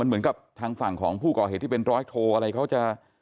เหมือนกับทางฝั่งของผู้ก่อเหตุที่เป็นร้อยโทอะไรเขาจะ